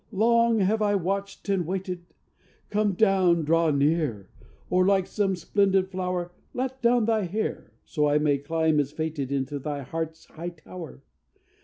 long have I watched and waited! Come down! draw near! or, like some splendid flower, Let down thy hair! so I may climb as fated Into thy heart's high tower.